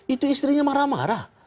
itu istrinya marah marah